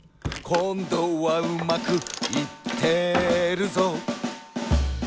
「こんどはうまくいってるぞ」